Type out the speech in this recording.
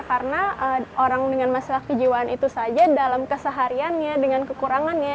karena orang dengan masalah kejiwaan itu saja dalam kesehariannya dengan kekurangannya